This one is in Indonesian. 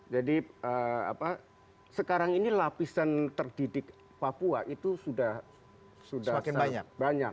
jadi sekarang ini lapisan terdidik papua itu sudah semakin banyak